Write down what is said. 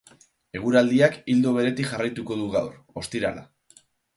Eguraldiak ildo beretik jarraituko du gaur, ostirala.